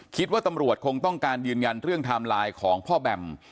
คิดว่าตำรวจคงต้องการยืนยันเรื่องไทม์ไลน์ของพ่อแบม